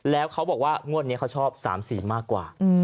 แล้วเขาบอกว่างวดนี้เขาชอบ๓๔มากกว่า